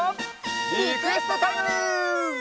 リクエストタイム！